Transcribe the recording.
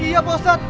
iya pak ustadz